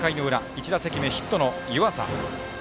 １打席目ヒットの湯淺。